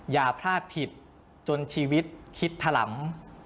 อย่าพลาดผิดจนชีวิตคิดถลำ